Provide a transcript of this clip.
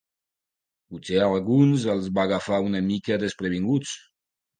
Potser a alguns els va agafar una mica desprevinguts.